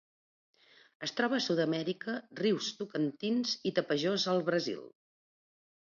Es troba a Sud-amèrica: rius Tocantins i Tapajós al Brasil.